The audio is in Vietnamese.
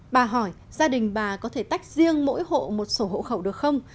bà hỏi gia đình bà có thể tách riêng mỗi hộ một sổ hộ khẩu được không